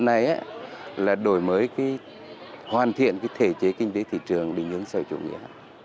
điểm này là đổi mới hoàn thiện thể chế kinh tế thị trường định hướng sở chủ nghĩa